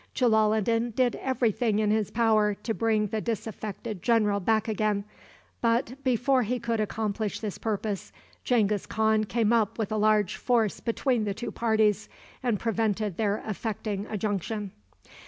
Jalaloddin did every thing in his power to bring the disaffected general back again; but, before he could accomplish this purpose, Genghis Khan came up with a large force between the two parties, and prevented their effecting a junction.